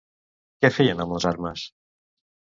Què feien amb les armes?